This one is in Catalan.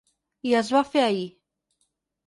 I es va fer ahir.